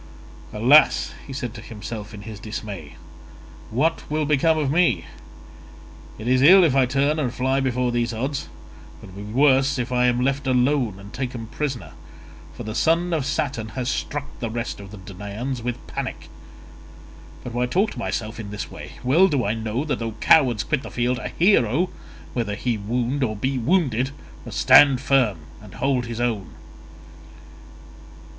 "Alas," said he to himself in his dismay, "what will become of me? It is ill if I turn and fly before these odds, but it will be worse if I am left alone and taken prisoner, for the son of Saturn has struck the rest of the Danaans with panic. But why talk to myself in this way? Well do I know that though cowards quit the field, a hero, whether he wound or be wounded, must stand firm and hold his own."